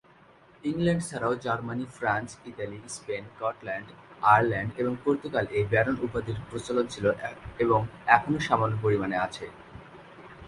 England ছাড়াও Germany, France, Italy, Spain, Scotland, Ireland এবং Portugal এ ব্যারন উপাধির প্রচলন ছিল এবং এখনো সামান্য পরিমাণে আছে।